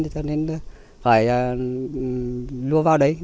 cho nên phải lua vào đấy